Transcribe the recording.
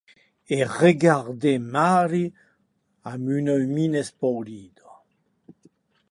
E guardèc a Mario damb mina espaurida.